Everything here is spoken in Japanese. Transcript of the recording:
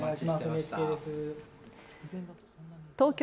東京